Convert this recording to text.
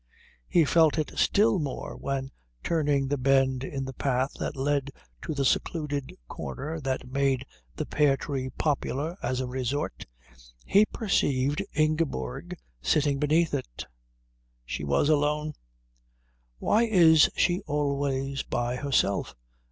He felt it still more when, turning the bend in the path that led to the secluded corner that made the pear tree popular as a resort, he perceived Ingeborg sitting beneath it. She was alone. "Why is she always by herself?"